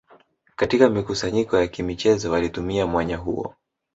Katika mikusanyiko ya kimichezo walitumia mwanya huo